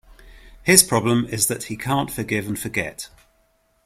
His problem is that he can't forgive and forget